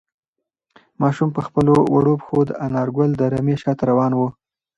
ماشوم په خپلو وړو پښو د انارګل د رمې شاته روان و.